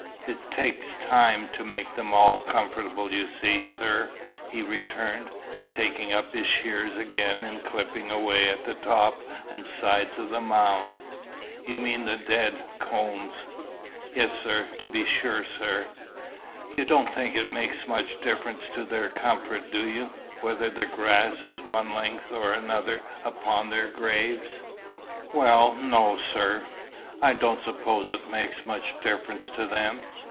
"It take time to make them all comfortable, you see, sir," he returned, taking up his shears again and clipping away at the top and sides of the mound. "You mean the dead, Coombes?" "Yes, sir; to be sure, sir." "You don't think it makes much difference to their comfort, do you, whether the grass is one length or another upon their graves?" "Well no, sir. I don't suppose it makes much difference to them.